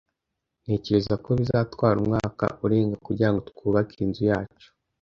Ntekereza ko bizatwara umwaka urenga kugirango twubake inzu yacu.